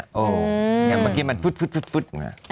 อย่างเมื่อกี้มันฟึ้ดว้างิน่ะ